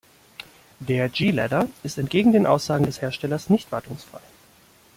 Der G-Lader ist entgegen den Aussagen des Herstellers nicht wartungsfrei.